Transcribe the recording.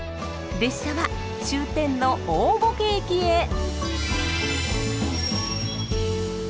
列車は終点の大歩危駅へ！